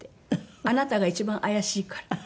「あなたが一番怪しいから」って。